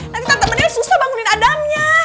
nanti tante menil susah bangunin adamnya